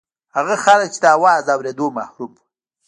هغه خلک چې د اواز له اورېدو محروم وو.